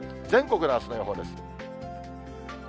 全国のあすの予報です。